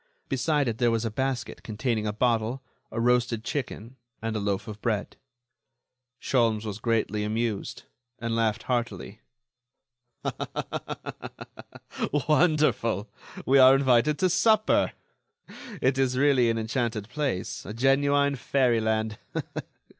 Beside it there was a basket containing a bottle, a roasted chicken, and a loaf of bread. Sholmes was greatly amused, and laughed heartily. "Wonderful! we are invited to supper. It is really an enchanted place, a genuine fairy land.